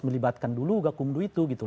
melibatkan dulu kegak kumdu itu